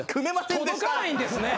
届かないんですね。